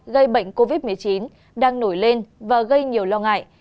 gây bệnh covid một mươi chín đang nổi lên và gây nhiều lo ngại